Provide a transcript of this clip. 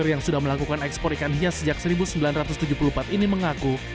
yang sudah melakukan ekspor ikan hias sejak seribu sembilan ratus tujuh puluh empat ini mengaku